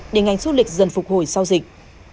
để ngành du lịch dần phục hồi sau dịch